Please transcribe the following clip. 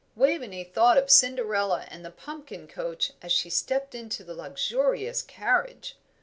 Waveney thought of Cinderella and the pumpkin coach as she stepped into the luxurious carriage.